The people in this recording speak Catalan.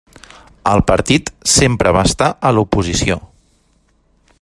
El partit sempre va estar a l'oposició.